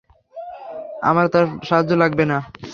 আমার তার সাহায্য লাগবে না।